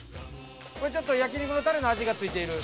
これちょっと焼肉のタレの味が付いている？